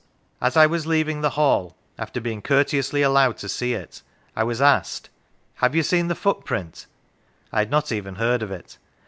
As I was leaving the Hall, after being courteously allowed to see it, I was asked: " Have you seen the footprint ?'' I had not even heard of it.